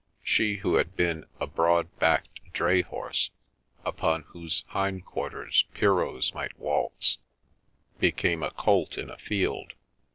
She who had been a broad backed dray horse, upon whose hind quarters pierrots might waltz, became a colt in a field.